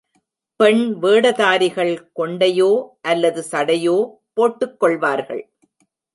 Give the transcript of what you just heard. பெண் வேடதாரிகள் கொண்டையோ அல்லது சடையோ போட்டுக் கொள்வார்கள்.